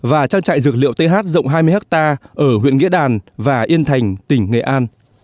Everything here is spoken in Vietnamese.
và trang trại dược liệu th rộng hai mươi hectare ở huyện nghĩa đàn và yên thành tỉnh nghệ an